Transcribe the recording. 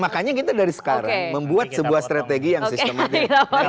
makanya kita dari sekarang membuat sebuah strategi yang sistematik